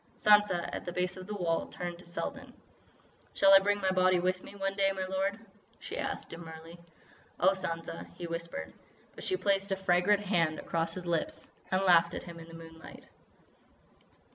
Sansa, at the base of the wall, turned to Selden. "Shall I bring my body with me, one day, my lord?" she asked demurely. "Oh, Sansa——" he whispered, but she placed a fragrant hand across his lips and laughed at him in the moonlight.